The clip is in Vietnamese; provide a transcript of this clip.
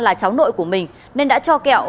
là cháu nội của mình nên đã cho kẹo